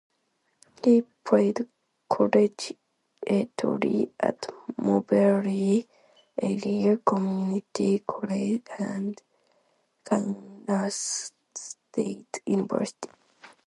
He played collegiately at Moberly Area Community College and Kansas State University.